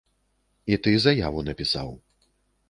І ты заяву напісаў.